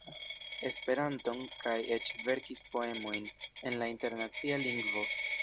Esperanton, kaj eĉ verkis poemojn en la Internacia Lingvo.